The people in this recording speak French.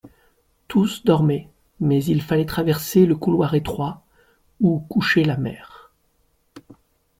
Tous dormaient, mais il fallait traverser le couloir étroit, où couchait la mère.